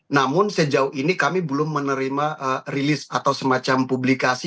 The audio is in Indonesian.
namun sejauh ini kami belum menerima rilis atau semacam publikasi